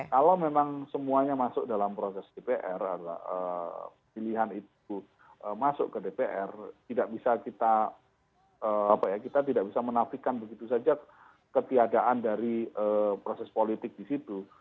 kalau memang semuanya masuk dalam proses dpr pilihan itu masuk ke dpr tidak bisa kita tidak bisa menafikan begitu saja ketiadaan dari proses politik di situ